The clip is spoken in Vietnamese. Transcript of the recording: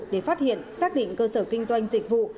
để phát hiện xác định cơ sở kinh doanh dịch vụ